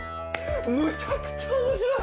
むちゃくちゃ面白い！